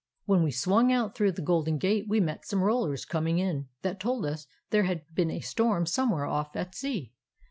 When we swung out through the Golden Gate we met some rollers coming in that told us there had been a storm somewhere off at sea.